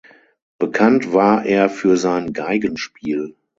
Bekannt war er für sein Geigenspiel.